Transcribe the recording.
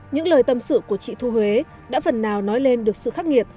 những lời tâm sự của chị thu huế đã phần nào nói lên được sự khắc nghiệt